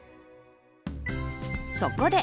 そこで！